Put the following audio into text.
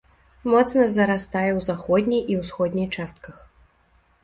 Моцна зарастае ў заходняй і ўсходняй частках.